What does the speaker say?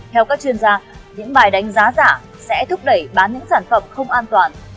theo các chuyên gia những bài đánh giá giả sẽ thúc đẩy bán những sản phẩm không an toàn